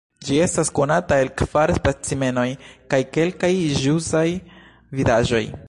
Ĝi estas konata el kvar specimenoj kaj kelkaj ĵusaj vidaĵoj.